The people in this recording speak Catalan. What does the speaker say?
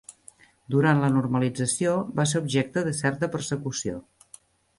Durant la Normalització va ser objecte de certa persecució.